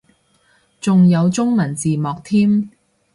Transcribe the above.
仲有中文字幕添